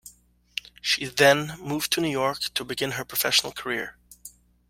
She then moved to New York to begin her professional career.